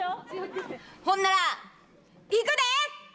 ほんならいくで！